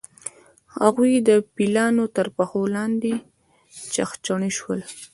هغوی د پیلانو تر پښو لاندې چخڼي شول.